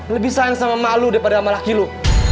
lebih sayang sama malu daripada laki laki lu